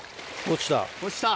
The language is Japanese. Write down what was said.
落ちた。